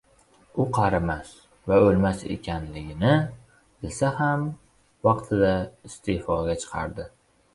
U qarimas va o‘lmas ekanligini bilsa ham, vaqtida iste’foga chiqardi.